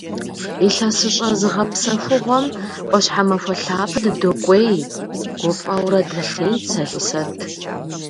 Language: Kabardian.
Илъэсыщӏэ зыгъэпсэхугъуэм ӏуащхьэмахуэ лъапэ дыдокӏуей, - гуфӏэурэ дэлъейт Сэлисэт.